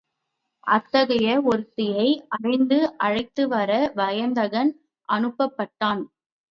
அத்தகைய ஒருத்தியை அறிந்து அழைத்து வர வயந்தகன் அனுப்பப்பட்டான்.